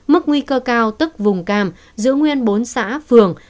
mức nguy cơ cao tức vùng cam giữ nguyên bốn xã phường